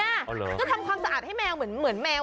ก็ทำความสะอาดให้แมวเหมือนแมว